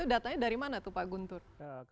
datanya dari mana pak guntur